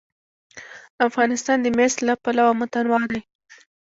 افغانستان د مس له پلوه متنوع دی.